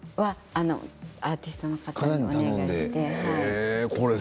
アーティストの方にお願いしました。